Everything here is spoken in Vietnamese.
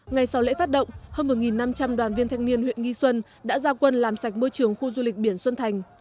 ngày sau lễ phát động hơn một năm trăm linh đoàn viên thanh niên huyện nghi xuân đã ra quân làm sạch môi trường khu du lịch biển xuân thành